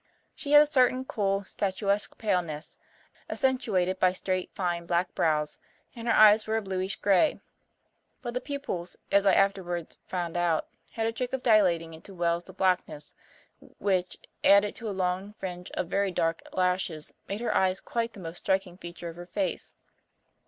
She had a certain cool, statuesque paleness, accentuated by straight, fine, black brows, and her eyes were a bluish grey; but the pupils, as I afterward found out, had a trick of dilating into wells of blackness which, added to a long fringe of very dark lashes, made her eyes quite the most striking feature of her face.